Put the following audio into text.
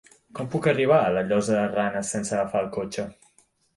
Com puc arribar a la Llosa de Ranes sense agafar el cotxe?